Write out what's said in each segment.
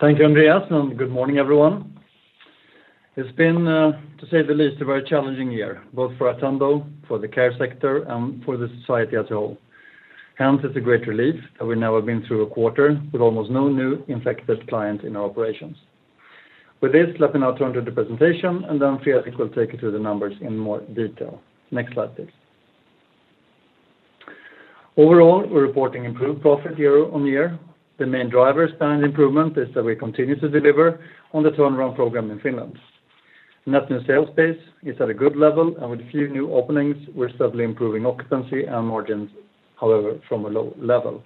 Thank you, Andreas. Good morning, everyone. It's been, to say the least, a very challenging year, both for Attendo, for the care sector, and for the society as a whole. It's a great relief that we now have been through a quarter with almost no new infected client in our operations. With this, let me now turn to the presentation. Then Fredrik will take you through the numbers in more detail. Next slide, please. Overall, we're reporting improved profit year-on-year. The main drivers behind the improvement is that we continue to deliver on the turnaround program in Finland. Net new sales pace is at a good level. With few new openings, we're steadily improving occupancy and margins, however, from a low level.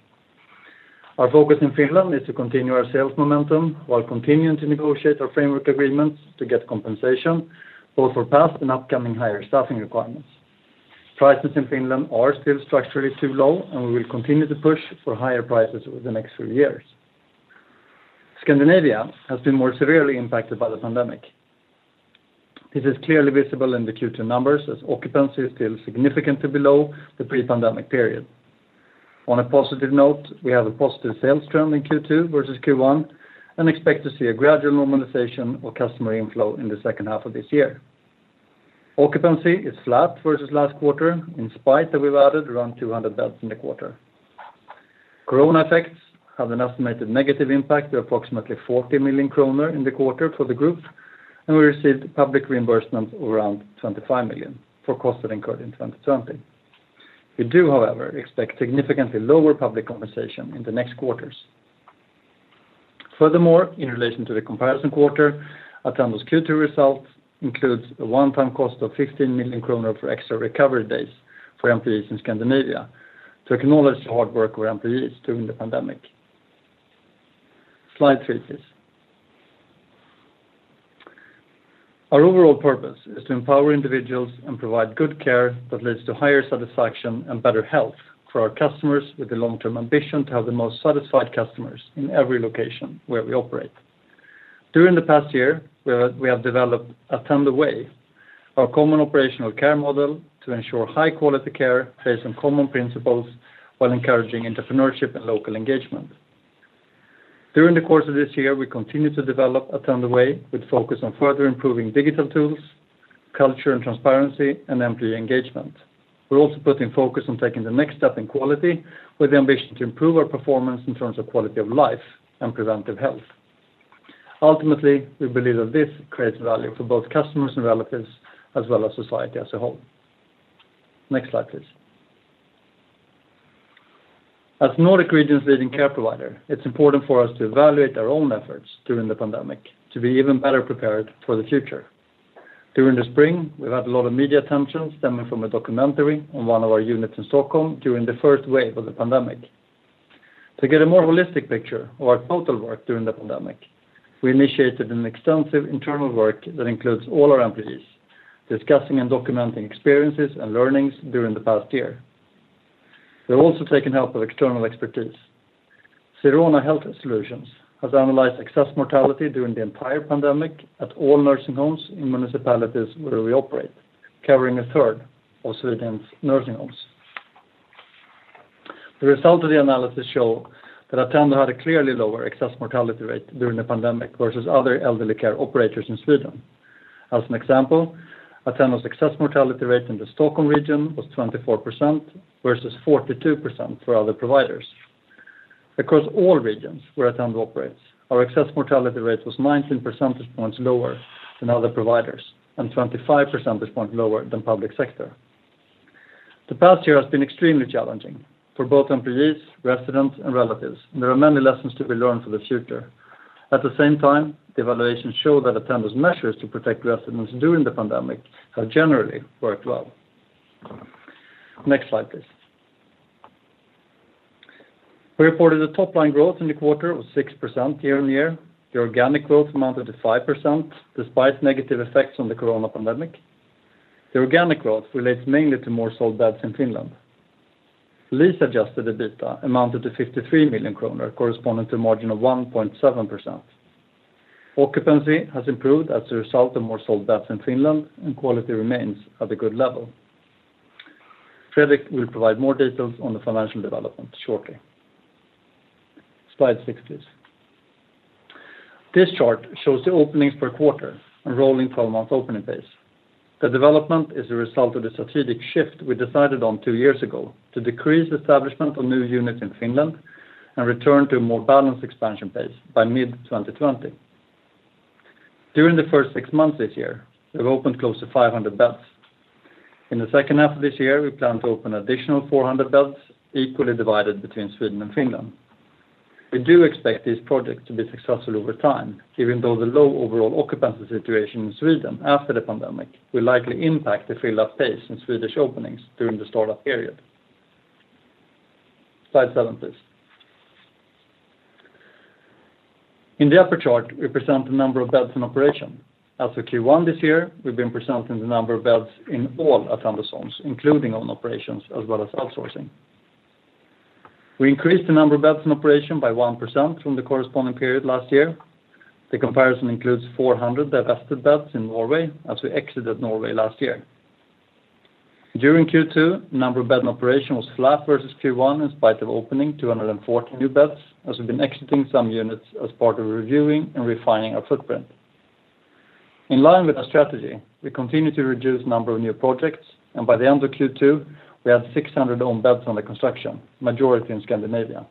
Our focus in Finland is to continue our sales momentum while continuing to negotiate our framework agreements to get compensation, both for past and upcoming higher staffing requirements. Prices in Finland are still structurally too low. We will continue to push for higher prices over the next few years. Scandinavia has been more severely impacted by the pandemic. This is clearly visible in the Q2 numbers, as occupancy is still significantly below the pre-pandemic period. On a positive note, we have a positive sales trend in Q2 versus Q1. We expect to see a gradual normalization of customer inflow in the second half of this year. Occupancy is flat versus last quarter, in spite that we've added around 200 beds in the quarter. Corona effects have an estimated negative impact of approximately 40 million kronor in the quarter for the group, and we received public reimbursement of around 25 million for costs that incurred in 2020. We do, however, expect significantly lower public compensation in the next quarters. Furthermore, in relation to the comparison quarter, Attendo's Q2 results includes a one-time cost of 15 million kronor for extra recovery days for employees in Scandinavia to acknowledge the hard work of our employees during the pandemic. Slide three, please. Our overall purpose is to empower individuals and provide good care that leads to higher satisfaction and better health for our customers, with the long-term ambition to have the most satisfied customers in every location where we operate. During the past year, we have developed Attendo Way, our common operational care model to ensure high-quality care based on common principles, while encouraging entrepreneurship and local engagement. During the course of this year, we continue to develop Attendo Way with focus on further improving digital tools, culture and transparency, and employee engagement. We're also putting focus on taking the next step in quality with the ambition to improve our performance in terms of quality of life and preventive health. Ultimately, we believe that this creates value for both customers and relatives, as well as society as a whole. Next slide, please. As Nordic region's leading care provider, it's important for us to evaluate our own efforts during the pandemic to be even better prepared for the future. During the spring, we've had a lot of media attention stemming from a documentary on one of our units in Stockholm during the first wave of the pandemic. To get a more holistic picture of our total work during the pandemic, we initiated an extensive internal work that includes all our employees discussing and documenting experiences and learnings during the past year. We're also taking help of external expertise. Sirona Health Solutions has analyzed excess mortality during the entire pandemic at all nursing homes in municipalities where we operate, covering 1/3 of Sweden's nursing homes. The result of the analysis show that Attendo had a clearly lower excess mortality rate during the pandemic versus other elderly care operators in Sweden. As an example, Attendo's excess mortality rate in the Stockholm region was 24% versus 42% for other providers. Across all regions where Attendo operates, our excess mortality rate was 19 percentage points lower than other providers and 25 percentage point lower than public sector. The past year has been extremely challenging for both employees, residents, and relatives. There are many lessons to be learned for the future. At the same time, the evaluation show that Attendo's measures to protect residents during the pandemic have generally worked well. Next slide, please. We reported a top-line growth in the quarter of 6% year-on-year. The organic growth amounted to 5%, despite negative effects from the corona pandemic. The organic growth relates mainly to more sold beds in Finland. Lease-adjusted EBITDA amounted to 53 million kronor, corresponding to a margin of 1.7%. Occupancy has improved as a result of more sold beds in Finland, and quality remains at a good level. Fredrik will provide more details on the financial development shortly. Slide six, please. This chart shows the openings per quarter and rolling 12-month opening pace. The development is a result of the strategic shift we decided on two years ago to decrease establishment of new units in Finland and return to a more balanced expansion pace by mid-2020. During the first six months this year, we've opened close to 500 beds. In the second half of this year, we plan to open additional 400 beds, equally divided between Sweden and Finland. We do expect these projects to be successful over time, even though the low overall occupancy situation in Sweden after the pandemic will likely impact the fill-up pace in Swedish openings during the startup period. Slide seven, please. In the upper chart, we present the number of beds in operation. As of Q1 this year, we've been presenting the number of beds in all Attendo homes, including own operations as well as outsourcing. We increased the number of beds in operation by 1% from the corresponding period last year. The comparison includes 400 divested beds in Norway as we exited Norway last year. During Q2, number of bed operation was flat versus Q1 in spite of opening 240 new beds, as we've been exiting some units as part of reviewing and refining our footprint. In line with our strategy, we continue to reduce number of new projects, and by the end of Q2, we had 600 own beds under construction, majority in Scandinavia.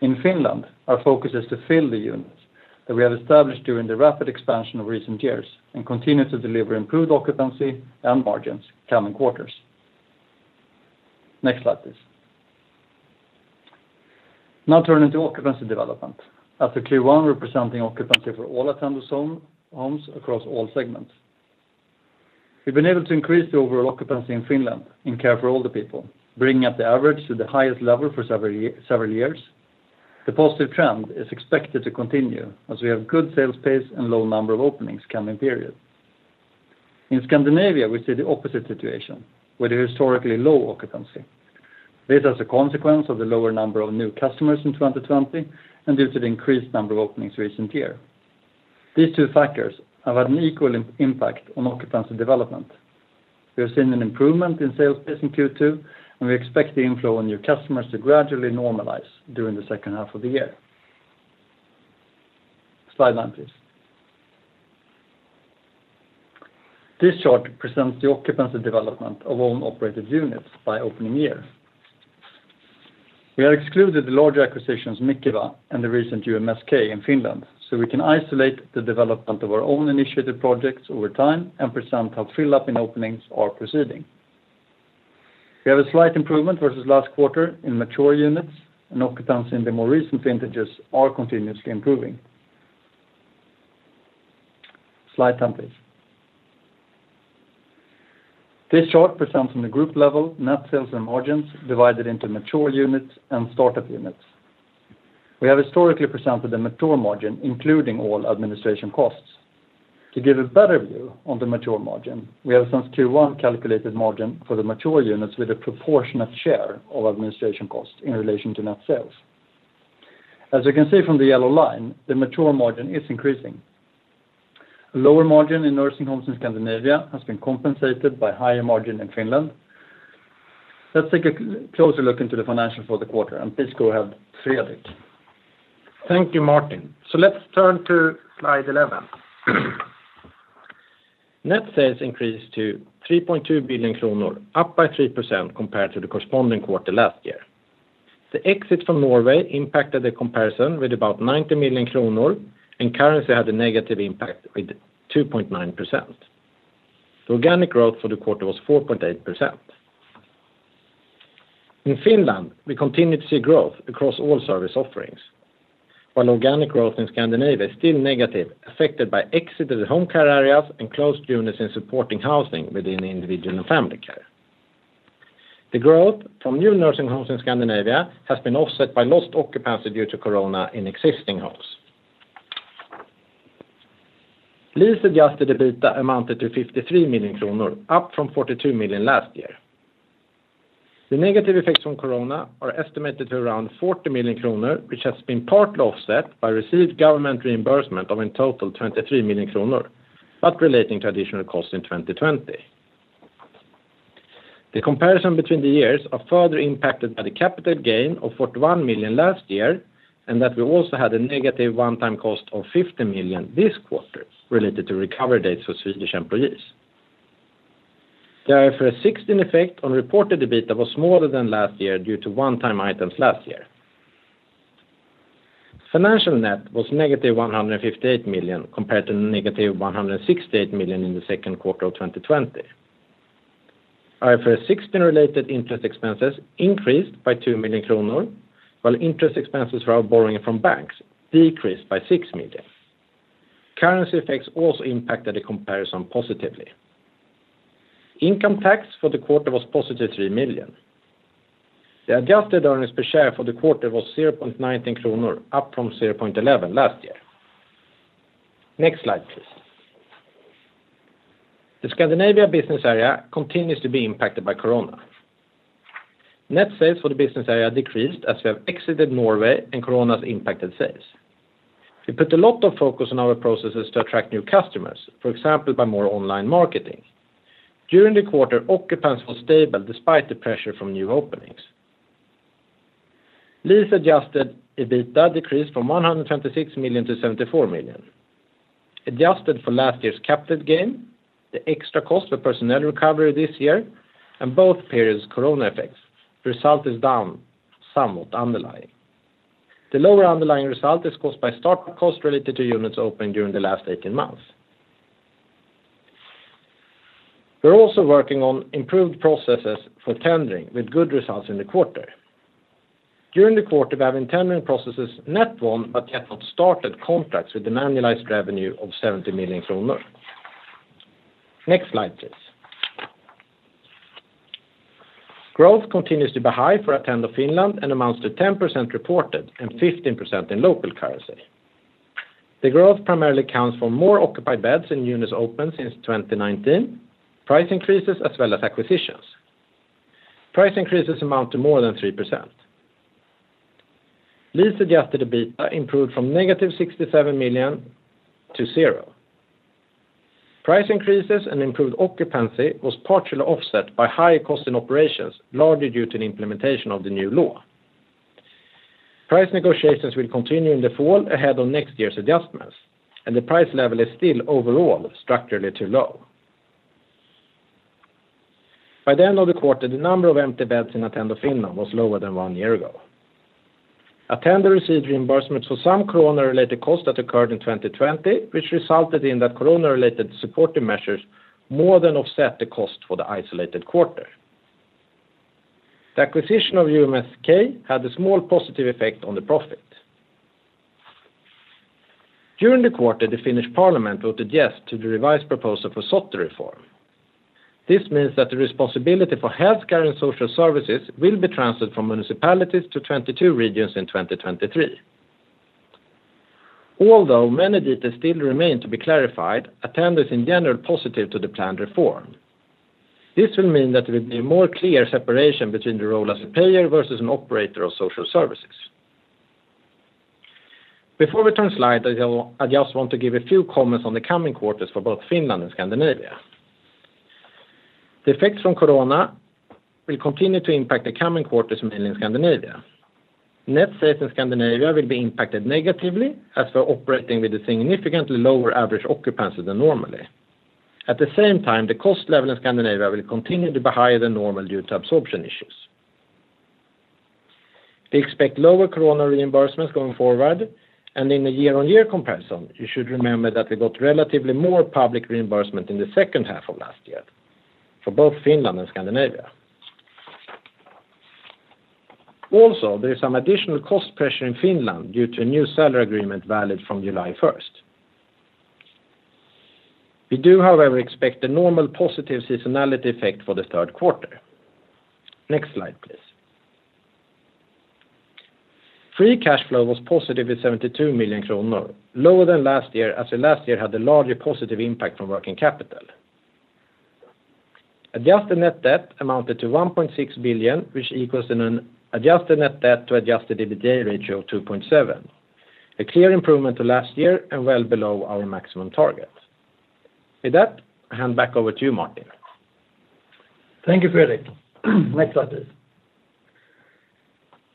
In Finland, our focus is to fill the units that we have established during the rapid expansion of recent years, and continue to deliver improved occupancy and margins coming quarters. Next slide, please. Now turning to occupancy development. After Q1, representing occupancy for all Attendo homes across all segments. We've been able to increase the overall occupancy in Finland in care for older people, bringing up the average to the highest level for several years. The positive trend is expected to continue as we have good sales pace and low number of openings coming period. In Scandinavia, we see the opposite situation with a historically low occupancy. This is a consequence of the lower number of new customers in 2020 and due to the increased number of openings recent year. These two factors have had an equal impact on occupancy development. We have seen an improvement in sales pace in Q2, and we expect the inflow in new customers to gradually normalize during the second half of the year. Slide nine, please. This chart presents the occupancy development of own-operated units by opening year. We have excluded the large acquisitions, Mikeva, and the recent JMSK in Finland, so we can isolate the development of our own initiated projects over time and present how fill up in openings are proceeding. We have a slight improvement versus last quarter in mature units, and occupancy in the more recent vintages are continuously improving. Slide 10, please. This chart presents on the group level net sales and margins divided into mature units and startup units. We have historically presented the mature margin, including all administration costs. To give a better view on the mature margin, we have since Q1 calculated margin for the mature units with a proportionate share of administration cost in relation to net sales. As you can see from the yellow line, the mature margin is increasing. A lower margin in nursing homes in Scandinavia has been compensated by higher margin in Finland. Let's take a closer look into the financial for the quarter. Please go ahead, Fredrik. Thank you, Martin. Let's turn to slide 11. Net sales increased to 3.2 billion kronor, up by 3% compared to the corresponding quarter last year. The exit from Norway impacted the comparison with about 90 million kronor, and currency had a negative impact with 2.9%. Organic growth for the quarter was 4.8%. In Finland, we continue to see growth across all service offerings. While organic growth in Scandinavia is still negative, affected by exit of the home care areas and closed units in supporting housing within individual and family care. The growth from new nursing homes in Scandinavia has been offset by lost occupancy due to corona in existing homes. Lease-adjusted EBITDA amounted to 53 million kronor, up from 42 million last year. The negative effects from corona are estimated to around 40 million kronor, which has been partly offset by received government reimbursement of in total 23 million kronor, relating to additional cost in 2020. The comparison between the years are further impacted by the capital gain of 41 million last year, that we also had a negative one-time cost of 50 million this quarter related to recovery days for Swedish employees. The IFRS 16 effect on reported EBITDA was smaller than last year due to one-time items last year. Financial net was -158 million compared to -168 million in the second quarter of 2020. IFRS 16-related interest expenses increased by 2 million kronor, while interest expenses for our borrowing from banks decreased by 6 million. Currency effects also impacted the comparison positively. Income tax for the quarter was +3 million. The adjusted earnings per share for the quarter was 0.19 kronor, up from 0.11 last year. Next slide, please. The Scandinavia business area continues to be impacted by corona. Net sales for the business area decreased as we have exited Norway and corona's impacted sales. We put a lot of focus on our processes to attract new customers, for example, by more online marketing. During the quarter, occupancy was stable despite the pressure from new openings. Lease-adjusted EBITDA decreased from 126 million-74 million. Adjusted for last year's capital gain, the extra cost for personnel recovery this year, and both periods' corona effects, the result is down somewhat underlying. The lower underlying result is caused by startup costs related to units opened during the last 18 months. We're also working on improved processes for tendering with good results in the quarter. During the quarter, we have in tendering processes net won but yet not started contracts with the annualized revenue of 70 million kronor. Next slide, please. Growth continues to be high for Attendo Finland and amounts to 10% reported and 15% in local currency. The growth primarily accounts for more occupied beds in units opened since 2019, price increases as well as acquisitions. Price increases amount to more than 3%. Leased adjusted EBITDA improved from -67 million to zero. Price increases and improved occupancy was partially offset by higher cost in operations, largely due to the implementation of the new law. Price negotiations will continue in the fall ahead of next year's adjustments, and the price level is still overall structurally too low. By the end of the quarter, the number of empty beds in Attendo Finland was lower than one year ago. Attendo received reimbursement for some corona-related costs that occurred in 2020, which resulted in that corona-related supportive measures more than offset the cost for the isolated quarter. The acquisition of JMSK had a small positive effect on the profit. During the quarter, the Finnish Parliament voted yes to the revised proposal for SOTE reform. This means that the responsibility for healthcare and social services will be transferred from municipalities to 22 regions in 2023. Many details still remain to be clarified, Attendo is in general positive to the planned reform. This will mean that there will be a more clear separation between the role as a payer versus an operator of social services. Before we turn slide, I just want to give a few comments on the coming quarters for both Finland and Scandinavia. The effects from corona will continue to impact the coming quarters mainly in Scandinavia. Net sales in Scandinavia will be impacted negatively as we are operating with a significantly lower average occupancy than normally. At the same time, the cost level in Scandinavia will continue to be higher than normal due to absorption issues. We expect lower Corona reimbursements going forward, and in a year-on-year comparison, you should remember that we got relatively more public reimbursement in the second half of last year for both Finland and Scandinavia. Also, there is some additional cost pressure in Finland due to a new salary agreement valid from July 1st. We do, however, expect a normal positive seasonality effect for the third quarter. Next slide, please. Free cash flow was positive at 72 million kronor, lower than last year, as last year had a larger positive impact from working capital. Adjusted net debt amounted to 1.6 billion, which equals an adjusted net debt to adjusted EBITDA ratio of 2.7x. A clear improvement to last year and well below our maximum target. With that, I hand back over to you, Martin. Thank you, Fredrik. Next slide, please.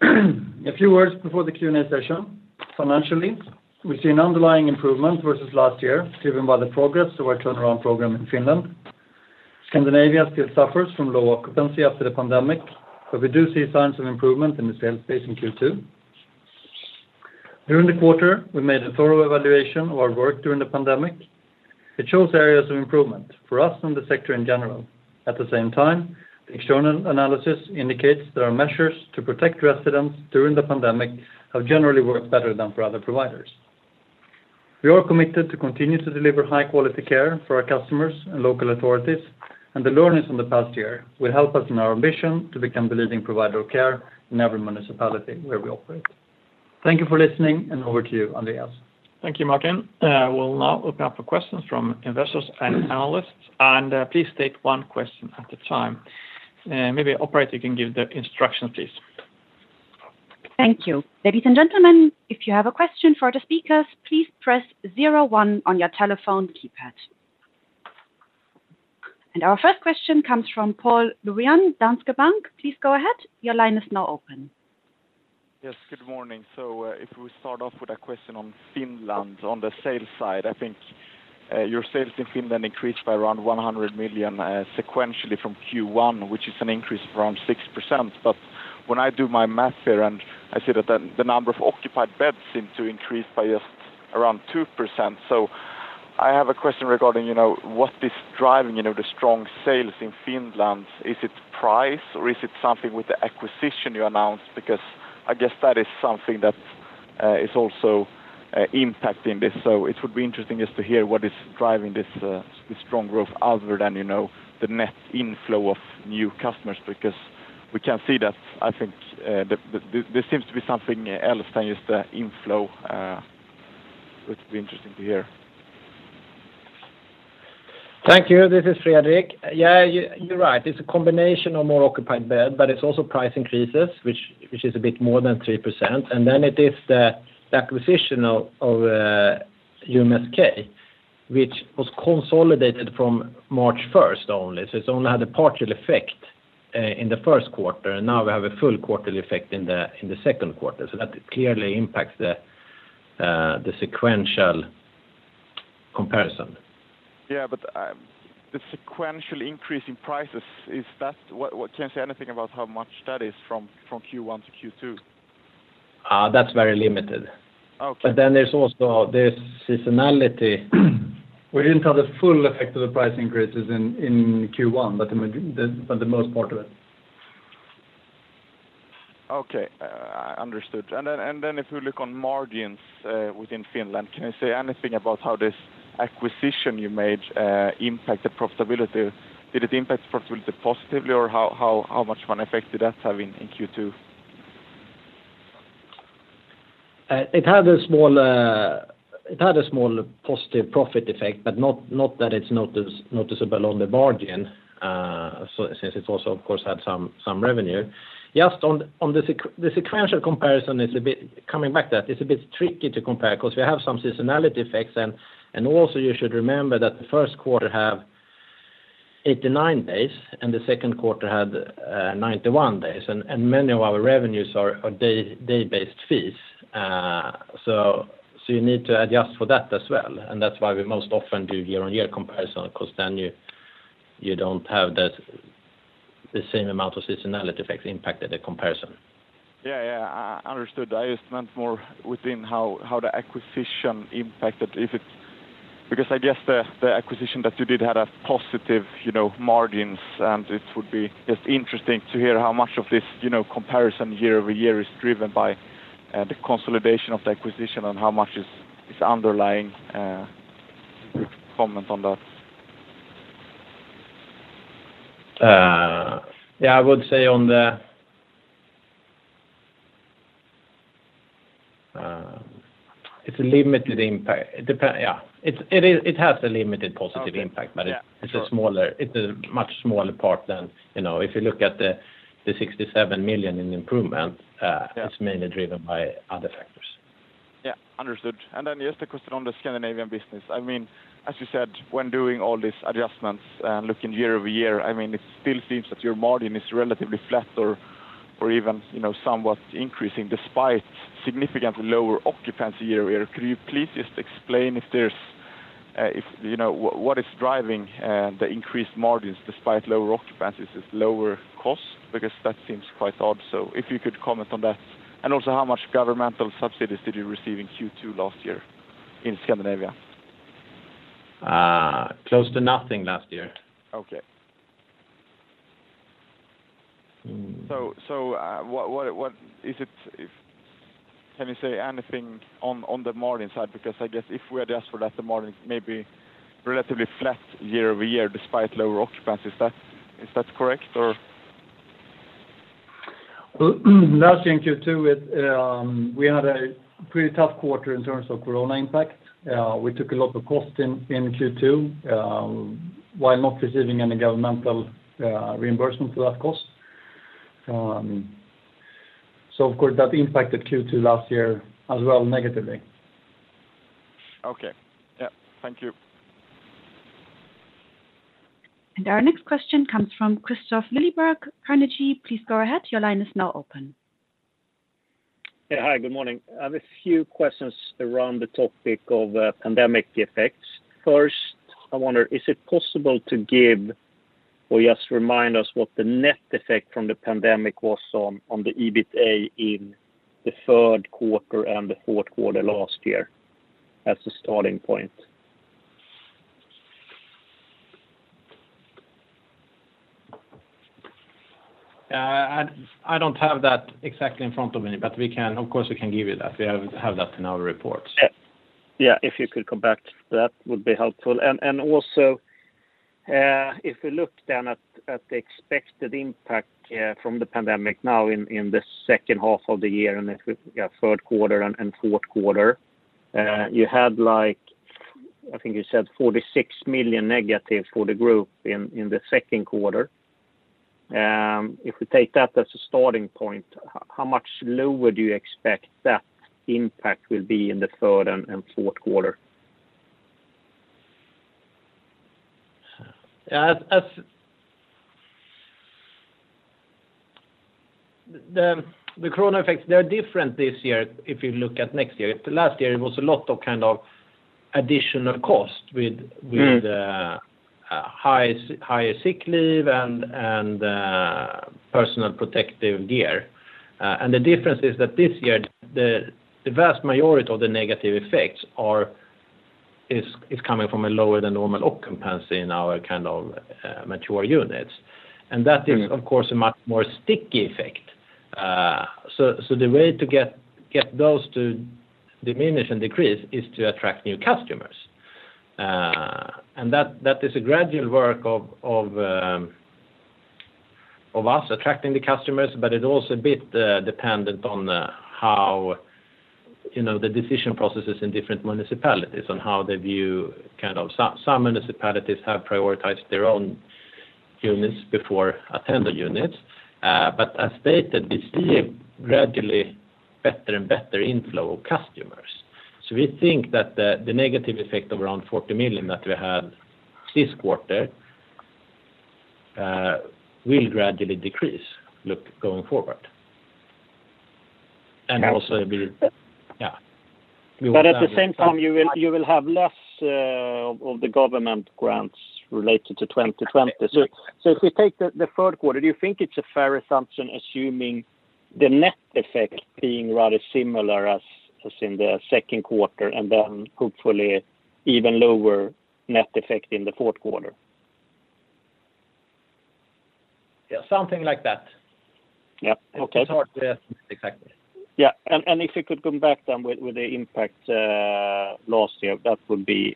A few words before the Q&A session. Financially, we've seen underlying improvement versus last year, driven by the progress of our turnaround program in Finland. Scandinavia still suffers from low occupancy after the pandemic. We do see signs of improvement in the sales pace in Q2. During the quarter, we made a thorough evaluation of our work during the pandemic. It shows areas of improvement for us and the sector in general. At the same time, the external analysis indicates that our measures to protect residents during the pandemic have generally worked better than for other providers. We are committed to continue to deliver high-quality care for our customers and local authorities. The learnings from the past year will help us in our ambition to become the leading provider of care in every municipality where we operate. Thank you for listening, and over to you, Andreas. Thank you, Martin. We'll now open up for questions from investors and analysts. Please take one question at a time. Maybe operator can give the instructions, please. Thank you. Ladies and gentlemen, if you have a question for the speakers, please press zero one on your telephone keypad. Our first question comes from Karl Norén, Danske Bank. Please go ahead. Yes, good morning. If we start off with a question on Finland, on the sales side. I think your sales in Finland increased by around 100 million sequentially from Q1, which is an increase of around 6%. When I do my math here and I see that the number of occupied beds seem to increase by just around 2%. I have a question regarding what is driving the strong sales in Finland. Is it price or is it something with the acquisition you announced? I guess that is something that is also impacting this. It would be interesting just to hear what is driving this strong growth other than the net inflow of new customers, we can see that, I think, there seems to be something else than just the inflow. It would be interesting to hear. Thank you. This is Fredrik. Yeah, you're right. It's a combination of more occupied beds, but it's also price increases, which is a bit more than 3%. It is the acquisition of JMSK, which was consolidated from March 1st only. It's only had a partial effect in the first quarter, and now we have a full quarterly effect in the second quarter. That clearly impacts the sequential comparison. Yeah, the sequential increase in prices, can you say anything about how much that is from Q1 to Q2? That's very limited. Okay. There's also this seasonality. We didn't have the full effect of the price increases in Q1, but for the most part of it. Okay. Understood. If we look on margins within Finland, can you say anything about how this acquisition you made impact the profitability? Did it impact profitability positively, or how much of an effect did that have in Q2? It had a small positive profit effect, but not that it's noticeable on the margin, since it also, of course, had some revenue. Just on the sequential comparison, coming back that, it's a bit tricky to compare because we have some seasonality effects. Also you should remember that the first quarter have 89 days and the second quarter had 91 days. Many of our revenues are day-based fees. You need to adjust for that as well. That's why we most often do year-on-year comparison, because then you don't have the same amount of seasonality effects impact the comparison. Yeah. Understood. I just meant more within how the acquisition impacted, because I guess the acquisition that you did had a positive margins, and it would be just interesting to hear how much of this comparison year-over-year is driven by the consolidation of the acquisition and how much is underlying. If you could comment on that. Yeah, I would say it's a limited impact. It has a limited positive impact. Okay. Yeah, sure. It's a much smaller part than if you look at the 67 million in improvement. Yeah It's mainly driven by other factors. Yeah. Understood. Just a question on the Scandinavian business. As you said, when doing all these adjustments and looking year-over-year, it still seems that your margin is relatively flat or even somewhat increasing despite significantly lower occupancy year-over-year. Could you please just explain what is driving the increased margins despite lower occupancies? Is it lower costs? That seems quite odd. If you could comment on that. How much governmental subsidies did you receive in Q2 last year in Scandinavia? Close to nothing last year. Okay. Can you say anything on the margin side? I guess if we adjust for that, the margin may be relatively flat year-over-year despite lower occupancy. Is that correct? Last year in Q2, we had a pretty tough quarter in terms of corona impact. We took a lot of cost in Q2 while not receiving any governmental reimbursement for that cost. Of course, that impacted Q2 last year as well, negatively. Okay. Yeah. Thank you. Our next question comes from Kristofer Liljeberg, Carnegie. Yeah. Hi, good morning. I have a few questions around the topic of pandemic effects. First, I wonder, is it possible to give or just remind us what the net effect from the pandemic was on the EBITDA in the third quarter and the fourth quarter last year, as a starting point? Yeah. I don't have that exactly in front of me, but of course, we can give you that. We have that in our reports. Yeah. If you could come back to that, would be helpful. Also, if we look then at the expected impact from the pandemic now in the second half of the year, third quarter and fourth quarter, you had, I think you said -46 million for the group in the second quarter. If we take that as a starting point, how much lower do you expect that impact will be in the third and fourth quarter? Yeah. The corona effects, they are different this year, if you look at next year. Last year, it was a lot of additional cost. Higher sick leave and personal protective gear. The difference is that this year, the vast majority of the negative effects is coming from a lower than normal occupancy in our mature units. That is, of course, a much more sticky effect. The way to get those to diminish and decrease is to attract new customers. That is a gradual work of us attracting the customers, but it also a bit dependent on the decision processes in different municipalities on how they view. Some municipalities have prioritized their own units before Attendo units. As stated, we see a gradually better and better inflow of customers. We think that the negative effect of around 40 million that we had this quarter will gradually decrease going forward. At the same time, you will have less of the government grants related to 2020. If we take the third quarter, do you think it's a fair assumption assuming the net effect being rather similar as in the second quarter, and then hopefully even lower net effect in the fourth quarter? Yeah, something like that. Yeah. Okay. It's hard to estimate exactly. Yeah. If you could come back then with the impact last year, that would be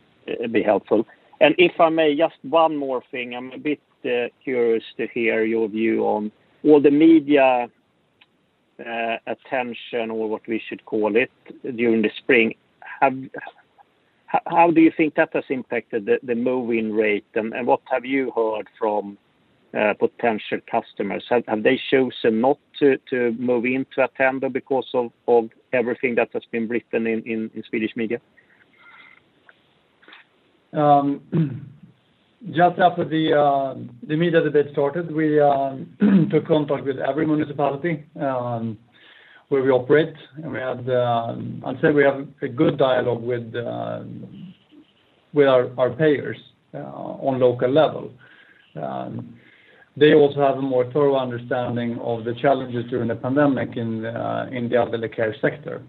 helpful. If I may, just one more thing. I'm a bit curious to hear your view on all the media attention, or what we should call it, during the spring. How do you think that has impacted the move-in rate? What have you heard from potential customers? Have they chosen not to move into Attendo because of everything that has been written in Swedish media? Just after the media debate started, we took contact with every municipality where we operate. I'd say we have a good dialogue with our payers on local level. They also have a more thorough understanding of the challenges during the pandemic in the elderly care sector,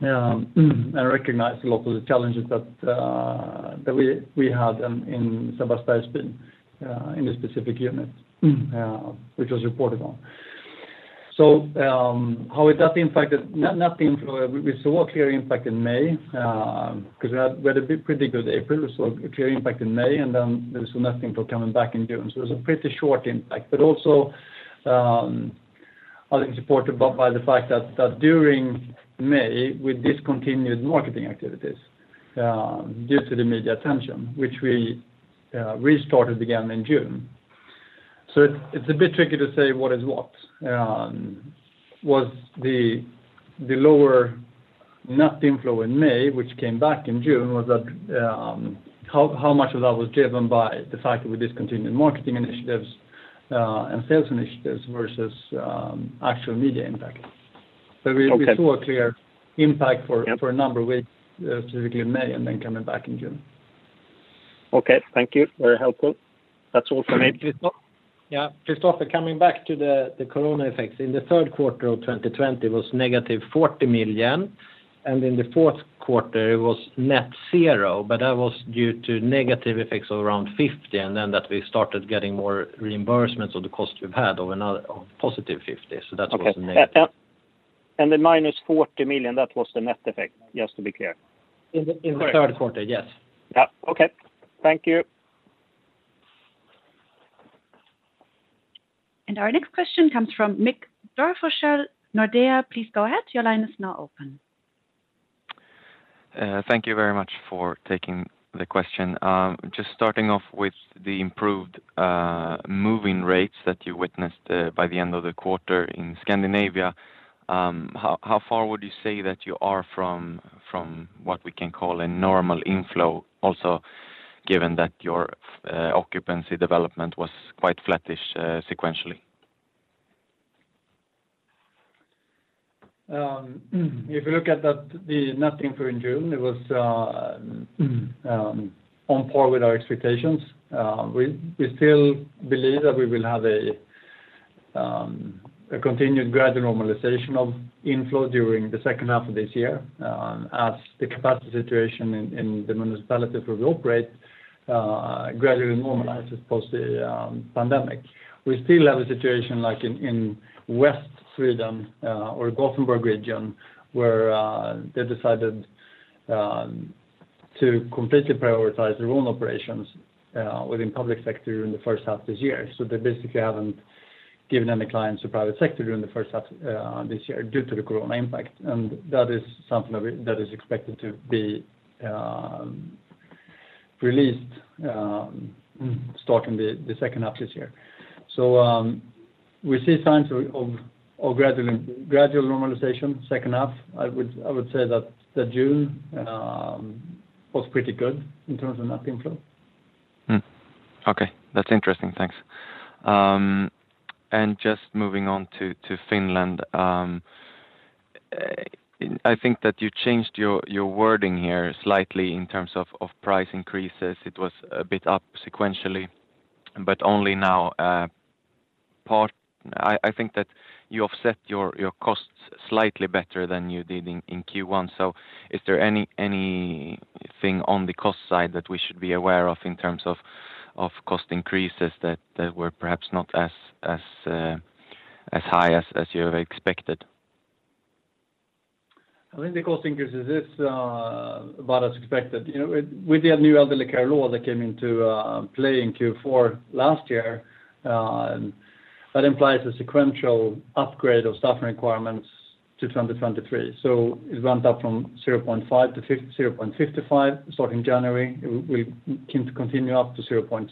and recognize a lot of the challenges that we had in Sabbatsbergsbyn in the specific unit which was reported on. How has that impacted? We saw a clear impact in May, because we had a pretty good April. We saw a clear impact in May, then we saw nothing till coming back in June. It was a pretty short impact, but also I think supported by the fact that during May, we discontinued marketing activities due to the media attention, which we restarted again in June. It's a bit tricky to say what is what. Was the lower net inflow in May, which came back in June, how much of that was driven by the fact that we discontinued marketing initiatives and sales initiatives versus actual media impact? Okay. We saw a clear impact. Yeah For a number of weeks, specifically in May, and then coming back in June. Okay. Thank you. Very helpful. That's all from me. Yeah. Kristofer Liljeberg, coming back to the Corona effects. In the third quarter of 2020 was -40 million, and in the fourth quarter it was net zero, but that was due to negative effects of around 50, and then that we started getting more reimbursements of the cost we've had of +50. That was negative. Okay. Yeah. The -40 million, that was the net effect? Just to be clear. In the third quarter, yes. Yeah. Okay. Thank you. Our next question comes from Mick Dörfelshul, Nordea. Please go ahead. Your line is now open. Thank you very much for taking the question. Just starting off with the improved move-in rates that you witnessed by the end of the quarter in Scandinavia. How far would you say that you are from what we can call a normal inflow, also given that your occupancy development was quite flattish sequentially? If you look at the net inflow in June, it was on par with our expectations. We still believe that we will have a continued gradual normalization of inflow during the second half of this year, as the capacity situation in the municipalities where we operate gradually normalize as post the pandemic. We still have a situation like in West Sweden, or Gothenburg region, where they decided to completely prioritize their own operations within public sector during the first half this year. They basically haven't given any clients to private sector during the first half this year due to the corona impact. That is something that is expected to be released starting the second half this year. We see signs of gradual normalization second half. I would say that June was pretty good in terms of net inflow. Okay. That's interesting. Thanks. Just moving on to Finland. I think that you changed your wording here slightly in terms of price increases. It was a bit up sequentially, but only now part I think that you offset your costs slightly better than you did in Q1. Is there anything on the cost side that we should be aware of in terms of cost increases that were perhaps not as high as you have expected? I think the cost increases is about as expected. With the new elderly care law that came into play in Q4 last year, that implies a sequential upgrade of staff requirements to 2023. It went up from 0.5-0.55 starting January. We continue up to 0.6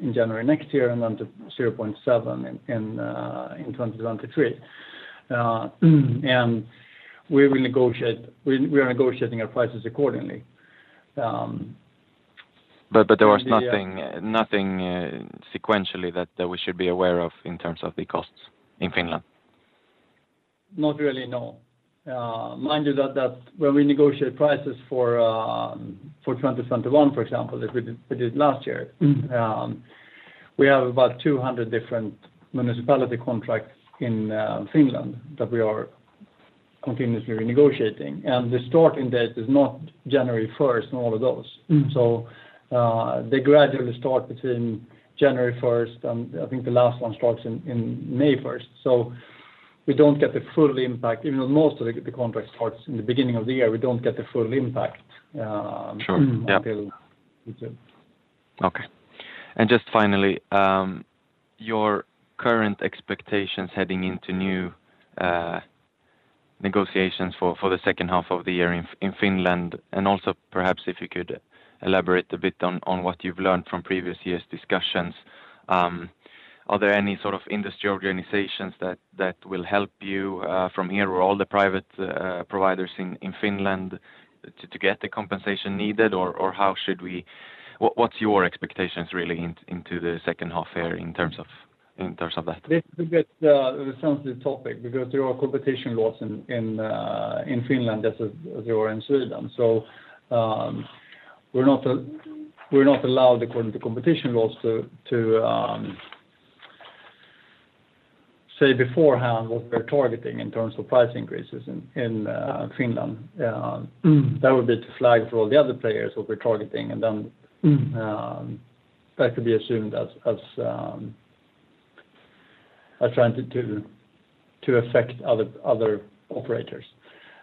in January next year, then to 0.7 in 2023. We are negotiating our prices accordingly. There was nothing sequentially that we should be aware of in terms of the costs in Finland? Not really, no. Mind you that when we negotiate prices for 2021, for example, as we did last year, we have about 200 different municipality contracts in Finland that we are continuously renegotiating. The starting date is not January 1st in all of those. They gradually start between January 1st, and I think the last one starts in May 1st. We don't get the full impact. Even though most of the contract starts in the beginning of the year, we don't get the full impact- Sure. Yep. Until mid-June. Okay. Just finally, your current expectations heading into new negotiations for the second half of the year in Finland, and also perhaps if you could elaborate a bit on what you've learned from previous years' discussions. Are there any sort of industry organizations that will help you from here or all the private providers in Finland to get the compensation needed, or what's your expectations really into the second half year in terms of that? This is a bit sensitive topic because there are competition laws in Finland as there are in Sweden. We're not allowed according to competition laws to say beforehand what we're targeting in terms of price increases in Finland. That would be to flag for all the other players what we're targeting and then that could be assumed as trying to affect other operators.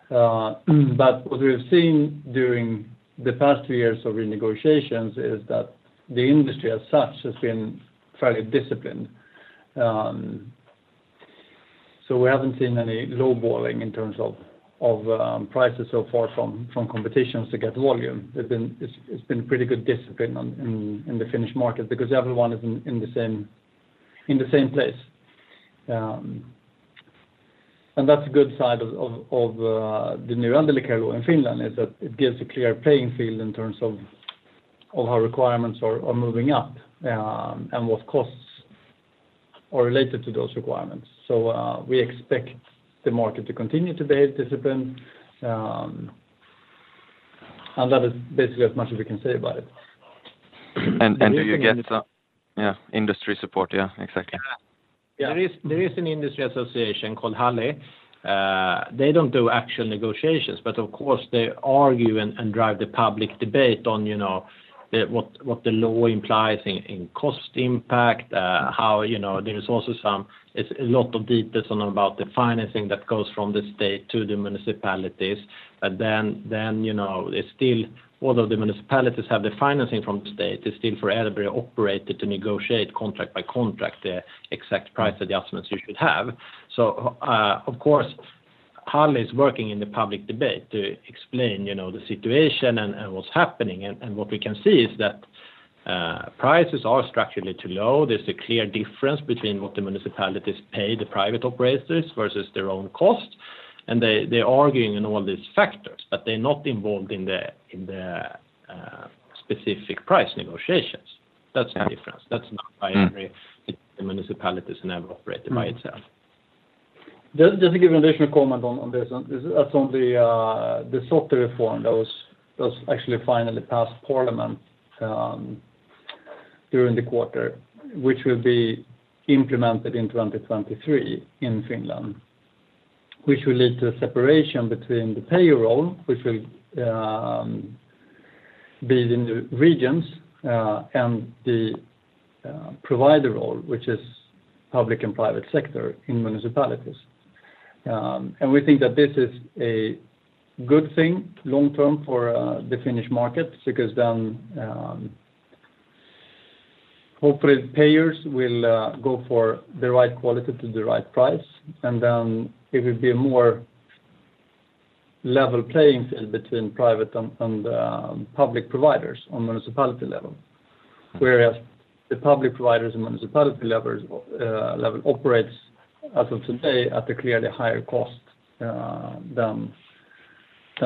What we have seen during the past two years of renegotiations is that the industry as such has been fairly disciplined. We haven't seen any low balling in terms of prices so far from competitors to get volume. It's been pretty good discipline in the Finnish market because everyone is in the same place. That's a good side of the new underly care law in Finland is that it gives a clear playing field in terms of how requirements are moving up, and what costs are related to those requirements. We expect the market to continue to be disciplined, and that is basically as much as we can say about it. Do you get industry support? Yeah, exactly. There is an industry association called HALI. They don't do actual negotiations, but of course they argue and drive the public debate on what the law implies in cost impact. There's also a lot of details about the financing that goes from the state to the municipalities. Although the municipalities have the financing from the state, it's still for every operator to negotiate contract by contract the exact price adjustments you should have. Of course, HALI is working in the public debate to explain the situation and what's happening. What we can see is that prices are structurally too low. There's a clear difference between what the municipalities pay the private operators versus their own cost, and they're arguing in all these factors, but they're not involved in the specific price negotiations. That's the difference. That's not by every municipality and every operator by itself. Just to give an additional comment on this. That's on the SOTE reform that was actually finally passed parliament during the quarter, which will be implemented in 2023 in Finland, which will lead to a separation between the payer role, which will be in the regions, and the provider role, which is public and private sector in municipalities. We think that this is a good thing long term for the Finnish market because then hopefully payers will go for the right quality to the right price, and then it will be a more level playing field between private and public providers on municipality level. Whereas the public providers on municipality level operates as of today at a clearly higher cost than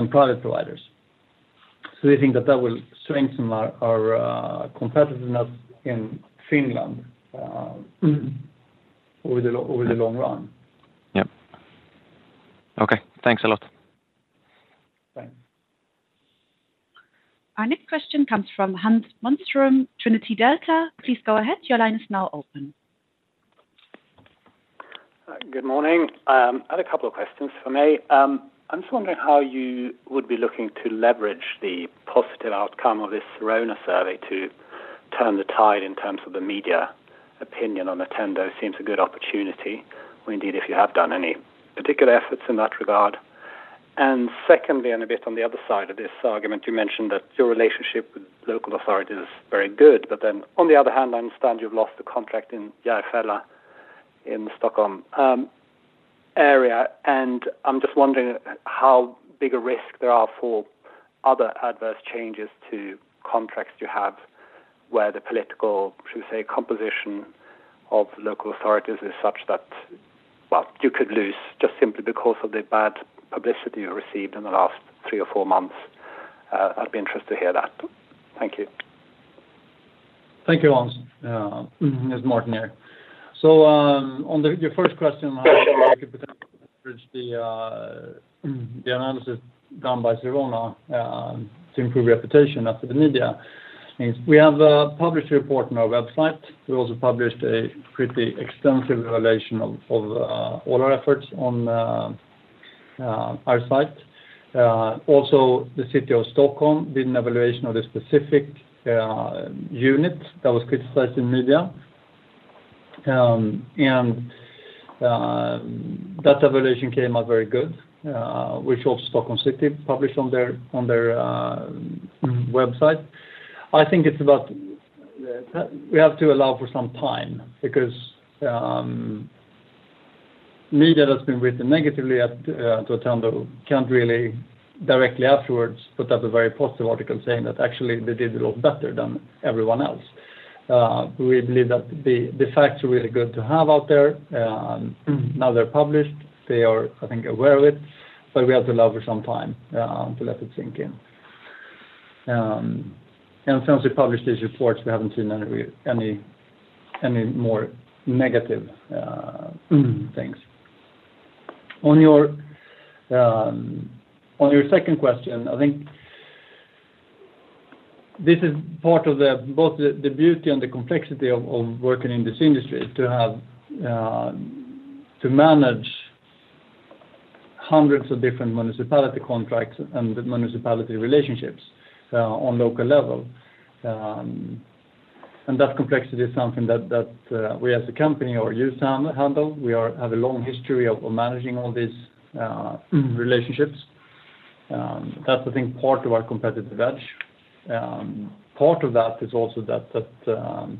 private providers. We think that that will strengthen our competitiveness in Finland over the long run. Yep. Okay. Thanks a lot. Thanks. Our next question comes from Hans Bostrom, Trinity Delta. Please go ahead. Your line is now open. Good morning. I had a couple of questions for me. I'm just wondering how you would be looking to leverage the positive outcome of this Sirona survey to turn the tide in terms of the media opinion on Attendo seems a good opportunity or indeed, if you have done any particular efforts in that regard? Secondly, a bit on the other side of this argument, you mentioned that your relationship with local authorities is very good. On the other hand, I understand you've lost the contract in Järfälla in the Stockholm area, I'm just wondering how big a risk there are for other adverse changes to contracts you have where the political, should we say, composition of local authorities is such that, well, you could lose just simply because of the bad publicity you received in the last three or four months? I'd be interested to hear that. Thank you. Thank you, Hans. It's Martin here. On your first question, how you could potentially leverage the analysis done by Sirona to improve reputation after the media is we have a published report on our website. We also published a pretty extensive evaluation of all our efforts on our site. The City of Stockholm did an evaluation of the specific unit that was criticized in media. That evaluation came out very good, which also Stockholm City published on their website. I think we have to allow for some time because media that's been written negatively at Attendo can't really directly afterwards put up a very positive article saying that actually they did a lot better than everyone else. We believe that the facts are really good to have out there. Now they're published, they are, I think, aware of it, but we have to allow for some time to let it sink in. Since we published these reports, we haven't seen any more negative things. On your second question, I think this is part of both the beauty and the complexity of working in this industry, to manage hundreds of different municipality contracts and municipality relationships on local level. That complexity is something that we as a company are used to handle. We have a long history of managing all these relationships. That's, I think, part of our competitive edge. Part of that is also that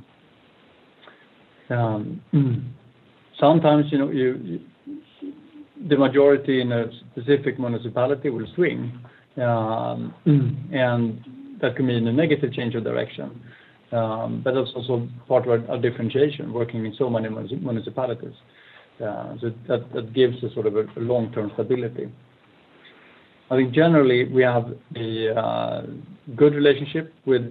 sometimes the majority in a specific municipality will swing, and that can mean a negative change of direction. That's also part of our differentiation, working in so many municipalities. That gives a sort of a long-term stability. I think generally we have a good relationship with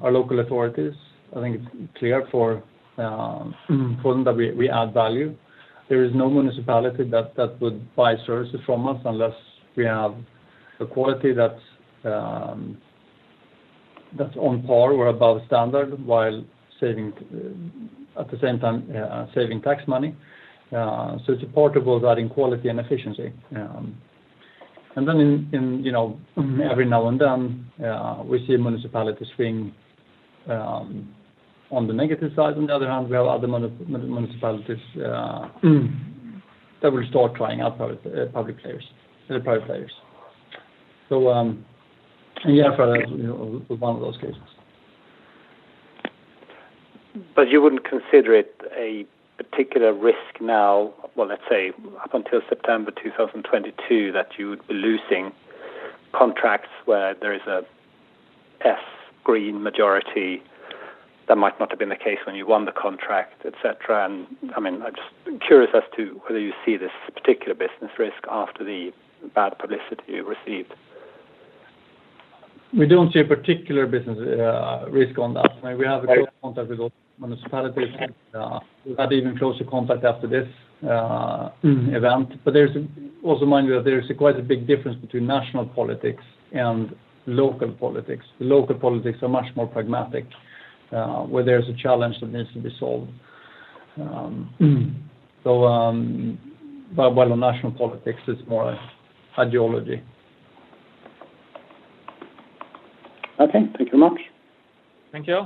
our local authorities. I think it's clear for Stockholm that we add value. There is no municipality that would buy services from us unless we have a quality that's on par or above standard, while at the same time saving tax money. It's a portable adding quality and efficiency. Every now and then, we see municipalities swing on the negative side. On the other hand, we have other municipalities that will start trying out private players. Järfälla was one of those cases. You wouldn't consider it a particular risk now, well, let's say up until September 2022, that you would be losing contracts where there is a green majority that might not have been the case when you won the contract, et cetera? I'm just curious as to whether you see this as a particular business risk after the bad publicity you received. We don't see a particular business risk on that. We have a close contact with all municipalities. We've had even closer contact after this event. Also mind you that there is quite a big difference between national politics and local politics. Local politics are much more pragmatic, where there's a challenge that needs to be solved. While on national politics, it's more ideology. Okay. Thank you much. Thank you.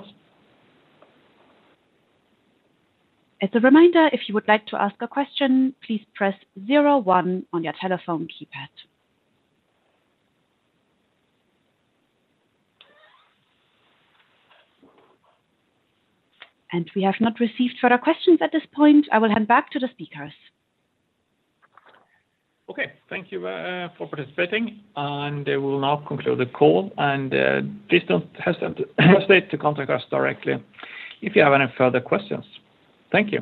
As a reminder, if you would like to ask a question, please press zero on your telephone keypad. We have not received further questions at this point. I will hand back to the speakers. Okay. Thank you for participating. We will now conclude the call, and please don't hesitate to contact us directly if you have any further questions. Thank you.